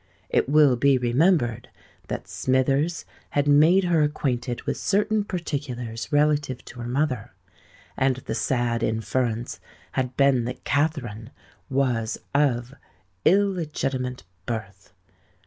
It will be remembered that Smithers had made her acquainted with certain particulars relative to her mother; and the sad inference had been that Katherine was of illegitimate birth.